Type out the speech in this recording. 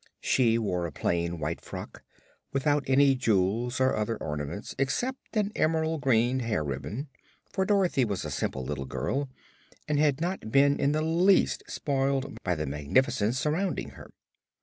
She wore a plain white frock, without any jewels or other ornaments except an emerald green hair ribbon, for Dorothy was a simple little girl and had not been in the least spoiled by the magnificence surrounding her.